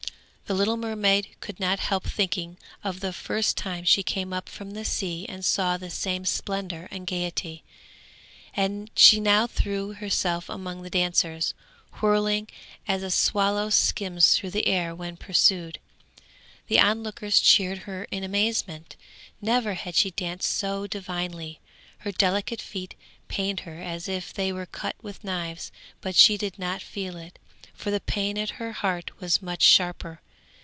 The little mermaid could not help thinking of the first time she came up from the sea and saw the same splendour and gaiety; and she now threw herself among the dancers, whirling, as a swallow skims through the air when pursued. The onlookers cheered her in amazement, never had she danced so divinely; her delicate feet pained her as if they were cut with knives, but she did not feel it, for the pain at her heart was much sharper.